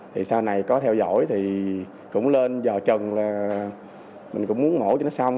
thì sau này có theo dõi thì cũng lên dò chân là mình cũng muốn mổ cho nó xong